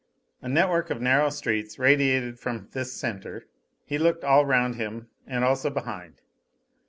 A network of narrow streets radiated from this centre. He looked all round him and also behind.